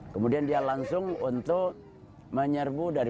kemudian dia langsung untuk menyerbu dari